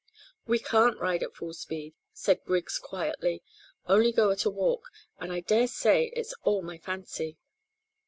"We can't ride at full speed," said Griggs quietly, "only go at a walk; and I dare say it's all my fancy."